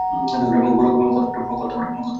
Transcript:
কত্ত বড় সরোবর!